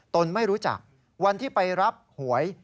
นไม่รู้จักวันที่ไปรับหวย